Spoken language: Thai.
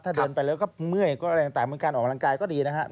ถ้าเดินไปแล้วก็เมื่อยก็อะไรต่างเมืองการออกกำลังกายก็ดีนะครับ